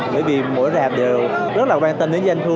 bởi vì mỗi rạp đều rất là quan tâm đến doanh thu